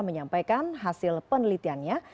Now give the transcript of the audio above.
menyampaikan hasil penelitiannya